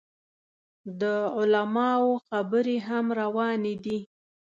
د علماو خبرې هم روانې دي.